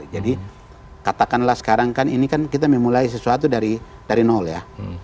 jadi katakanlah sekarang kan ini kan kita memulai sesuatu dari nol ya